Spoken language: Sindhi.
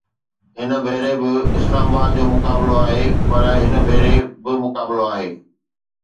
هن ڀيري به اسلام آباد جو مقابلو آهي، پر هن ڀيري به مقابلو آهي